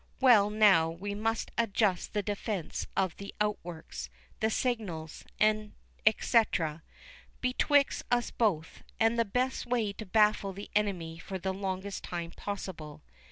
"Well, now we must adjust the defence of the outworks, the signals, &c. betwixt us both, and the best way to baffle the enemy for the longest time possible."